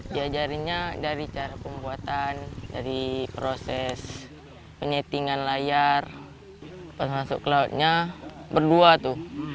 diajarinnya dari cara pembuatan dari proses penyettingan layar pas masuk ke lautnya berdua tuh